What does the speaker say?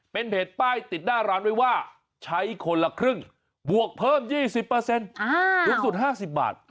เป็นเพจป้ายติดหน้าร้านไว้ว่าใช้คนละครึ่งบวกเพิ่ม๒๐สูงสุด๕๐บาท